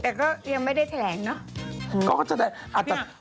แต่ยังไม่ได้แถนเนอะ